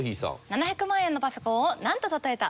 ７００万円のパソコンをなんと例えた？